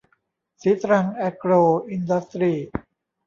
ศรีตรังแอโกรอินดัสทรี